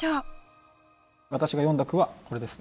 私が詠んだ句はこれですね。